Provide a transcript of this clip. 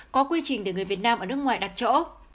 có quy trình để người việt nam ở nước ngoài đặt chỗ